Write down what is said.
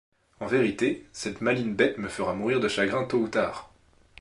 En vérité, cette maligne bête me fera mourir de chagrin tôt ou tard!